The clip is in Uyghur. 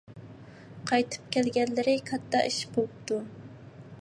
قايتىپ كەلگەنلىرى كاتتا ئىش بوپتۇ.